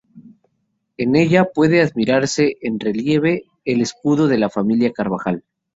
En ella, puede admirarse en relieve, el escudo de la familia Carvajal.